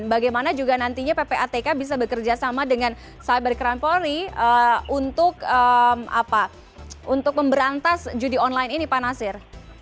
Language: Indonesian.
bagaimana juga nantinya ppatk bisa bekerja sama dengan cybercrime polri untuk memberantas judi online ini pak nasir